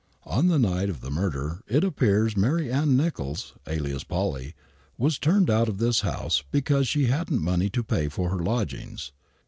On the night of the murder, it appears Mary Ann Nichols, alias " Polly," was turned out of this house because she hadn't money to pay for her lodgings.